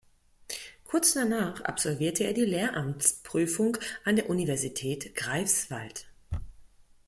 Kurz danach absolvierte er die Lehramtsprüfung an der Universität Greifswald.